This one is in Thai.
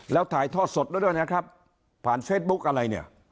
แล้วถ่ายทอดสดไว้ด้วยนะครับผ่านเฟซบุ๊กอะไรเนี่ย